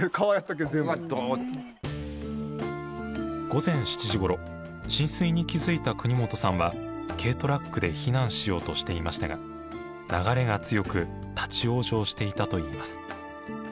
午前７時ごろ浸水に気付いた國本さんは軽トラックで避難しようとしていましたが流れが強く立往生していたといいます。